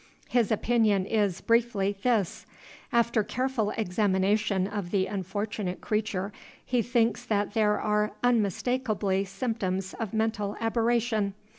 "His opinion is, briefly, this: "After careful examination of the unfortunate creature, he thinks that there are unmistakably symptoms of mental aberration.